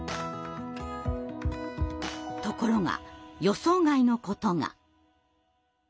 ところが予想外のことが。